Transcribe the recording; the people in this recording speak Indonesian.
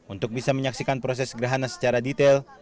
untuk bisa menyaksikan proses gerhana secara detail